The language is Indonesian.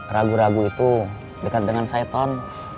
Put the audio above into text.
ragu ragu itu dekat dengan siton